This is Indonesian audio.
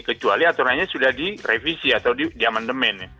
kecuali aturannya sudah direvisi atau diamandemen ya